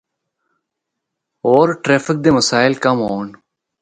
ہور ٹریفک دے مسائل کم ہون۔